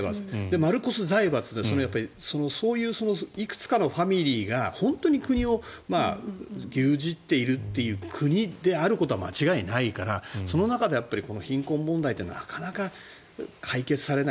マルコス財閥でそういういくつかのファミリーが本当に国を牛耳っているという国であることは間違いないからその中で貧困問題ってなかなか解決されない。